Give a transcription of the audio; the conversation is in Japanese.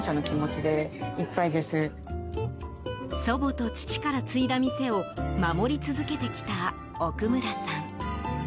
祖母と父から継いだ店を守り続けてきた奥村さん。